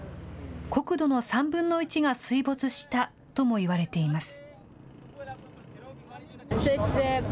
国土の３分の１が水没したともいわれています。